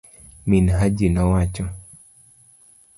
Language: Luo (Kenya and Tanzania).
min hajinowacho